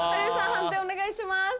判定お願いします。